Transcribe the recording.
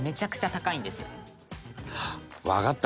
「わかった！」